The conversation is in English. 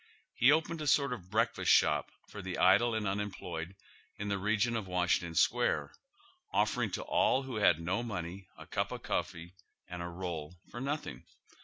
lie opened a sort of breakfast shop for the idle and unemployed in the region of Washington Square, offering to all who had no money a cup of coffee and a roll for nothing.